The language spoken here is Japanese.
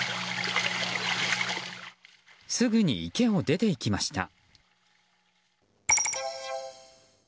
すぐに池を出て行きました。